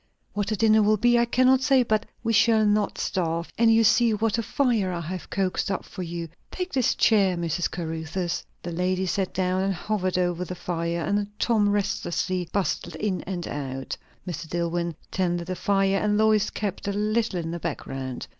What the dinner will be, I cannot say; but we shall not starve; and you see what a fire I have coaxed up for you. Take this chair, Mrs. Caruthers." The lady sat down and hovered over the fire; and Tom restlessly bustled in and out. Mr. DilIwyn tended the fire, and Lois kept a little in the background.